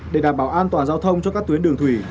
để đảm bảo an toàn giao thông cho các tuyến đường thủy